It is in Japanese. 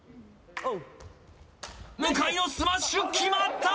向井のスマッシュ決まった！